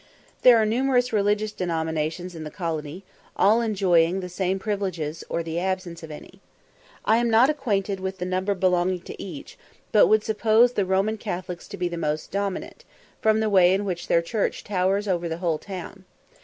There are numerous religious denominations in the colony, all enjoying the same privileges, or the absence of any. I am not acquainted with the number belonging to each, but would suppose the Roman Catholics to be the most dominant, from the way in which their church towers over the whole town.